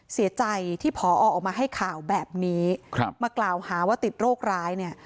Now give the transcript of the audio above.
เสียใจที่ผอออกมาให้ข่าวแบบนี้มากล่าวหาว่าติดโรคร้ายเนี่ย